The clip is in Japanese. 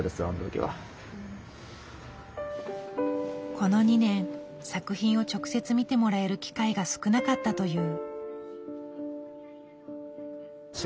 この２年作品を直接見てもらえる機会が少なかったという。